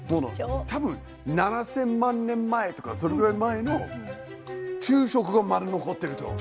多分７，０００万年前とかそれぐらい前の昼食がまだ残ってると。